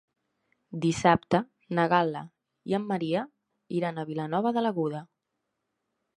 Dissabte na Gal·la i en Maria iran a Vilanova de l'Aguda.